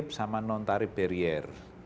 misalnya tarif sama non tarif barrier